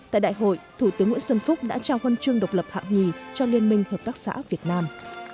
tại đại hội thủ tướng nguyễn xuân phúc đã trao huân chương độc lập hạng nhì cho liên minh hợp tác xã việt nam